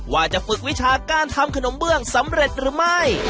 ว่าจะฝึกวิชาการทำขนมเบื้องสำเร็จหรือไม่